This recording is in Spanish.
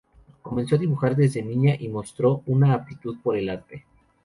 Comenzó a dibujar desde niña y mostró una aptitud por el arte.